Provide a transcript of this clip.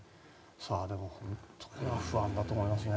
でも、本当に不安だと思いますね。